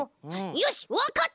よしわかった！